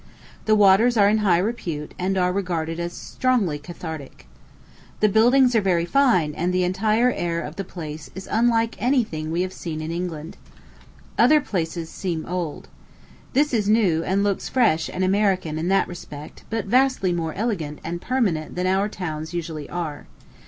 The waters are in high repute, and are regarded as strongly cathartic. The buildings are very fine, and the entire air of the place is unlike any thing we have seen in England. Other places seem old. This is new, and looks fresh and American in that respect, but vastly more elegant and permanent than our towns usually are.